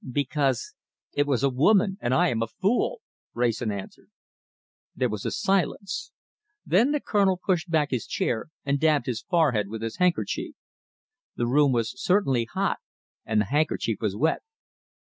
"Because it was a woman, and I am a fool!" Wrayson answered. There was a silence. Then the Colonel pushed back his chair and dabbed his forehead with his handkerchief. The room was certainly hot, and the handkerchief was wet.